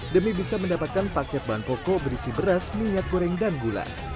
demi bisa mendapatkan paket bahan pokok berisi beras minyak goreng dan gula